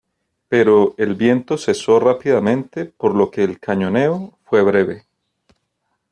Pero el viento cesó rápidamente por lo que el cañoneo fue breve.